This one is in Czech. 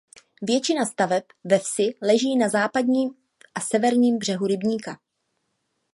Většina staveb ve vsi leží na západním a severním břehu rybníka.